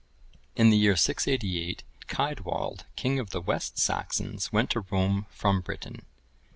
] In the year 688, Caedwald, king of the West Saxons, went to Rome from Britain.